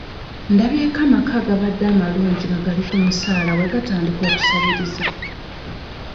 Ndabyeko amaka agabadde amalungi nga gali ku musaala bwe gatandika okusabiriza.